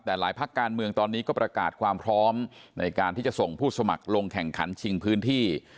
แต่หลายภาคการเมืองตอนนี้ก็ประกาศความพร้อมในการที่จะส่งผู้สมัครลงแข่งขันชิงพื้นที่